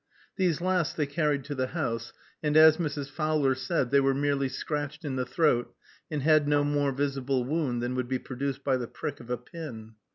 These last they carried to the house, and, as Mrs. Fowler said, they were merely scratched in the throat, and had no more visible wound than would be produced by the prick of a pin.